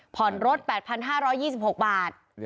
ผ่อนรถ๘๕๒๖บาท